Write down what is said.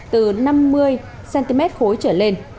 từ năm mươi cm khối trở lên